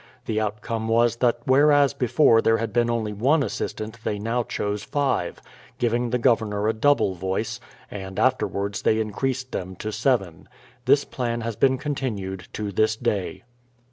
The outcome was that whereas before there had been only one assistant they now chose five, giv ing the Governor a double voice ; and afterwards they in creased them to seven. This plan has been continued to this day.